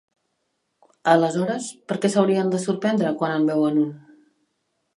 Aleshores, per què s'haurien de sorprendre quan en veuen un?